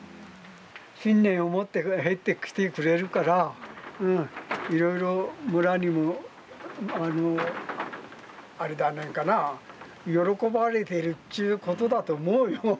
信念を持って入ってきてくれるからいろいろ村にもあれだねえかな喜ばれてるっちゅうことだと思うよ。